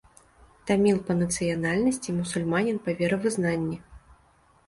Таміл па нацыянальнасці, мусульманін па веравызнанні.